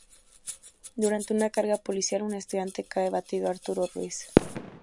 Durante una carga policial, un estudiante cae abatido, Arturo Ruiz.